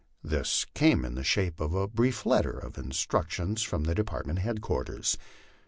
This came in the shape of a brief letter of instructions from Department headquarters.